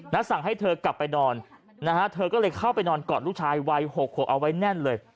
สั่งให้เธอกลับไปนอนนะฮะเธอก็เลยเข้าไปนอนกอดลูกชายวัย๖ขวบเอาไว้แน่นเลย